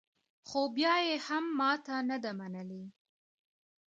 خو بیا یې هم ماته نه ده منلې